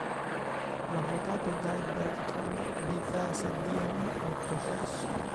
L'avvocato Guy Bertrand difese Dion al processo.